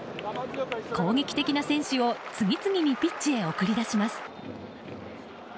攻撃的な選手を次々にピッチへ送り出します。